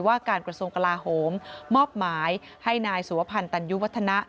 ว่าการกระทรวงกลาโหมมอบหมายให้นายสุวพันธ์ตันยุวัฒนะ